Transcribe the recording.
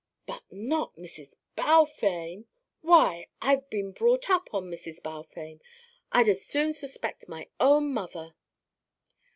"But not Mrs. Balfame! Why I've been brought up on Mrs. Balfame. I'd as soon suspect my own mother."